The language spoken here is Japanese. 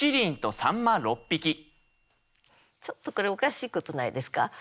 ちょっとこれおかしいことないですか？